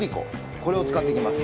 これを使っていきます。